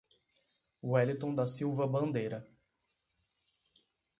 Weliton da Silva Bandeira